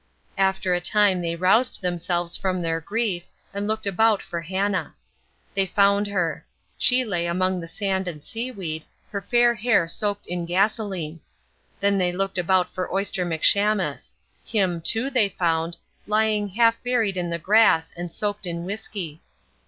After a time they roused themselves from their grief and looked about for Hannah. They found her. She lay among the sand and seaweed, her fair hair soaked in gasoline. Then they looked about for Oyster McShamus. Him, too, they found, lying half buried in the grass and soaked in whisky.